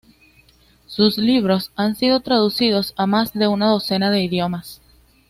Sus libros han sido traducidos a más de una docena de idiomas.